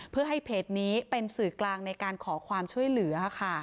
เพื่อให้เพจนี้เป็นสื่อกลางในการขอความช่วยเหลือค่ะ